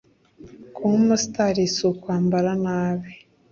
Kuba umustar si ukwambara nabi